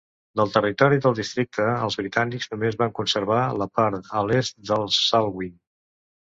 Del territori del districte els britànics només van conservar la part a l'est del Salween.